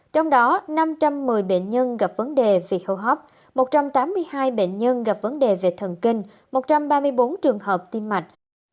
trong đó năm trăm một mươi bệnh nhân gặp vấn đề về hô hấp một trăm tám mươi hai bệnh nhân gặp vấn đề về thần kinh một trăm ba mươi bốn trường hợp tim mạch